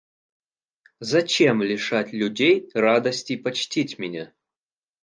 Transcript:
Зачем лишать людей радости почтить меня?